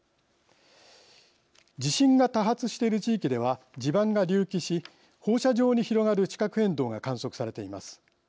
地震が多発している地域では地盤が隆起し放射状に広がる地殻変動が観測されています。